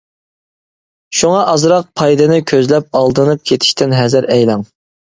شۇڭا ئازراق پايدىنى كۆزلەپ ئالدىنىپ كېتىشتىن ھەزەر ئەيلەڭ.